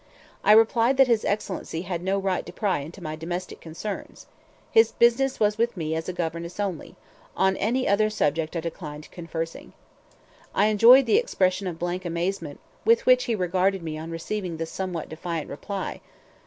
I replied that his Excellency had no right to pry into my domestic concerns. His business was with me as a governess only; on any other subject I declined conversing. I enjoyed the expression of blank amazement with which he regarded me on receiving this somewhat defiant reply.